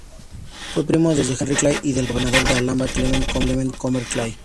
Fue primo desde Henry Clay, y del gobernador de Alabama, Clement Comer Clay.